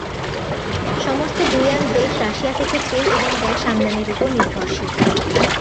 সমস্ত গুয়াম দেশ রাশিয়া থেকে তেল এবং গ্যাস আমদানির উপর নির্ভরশীল।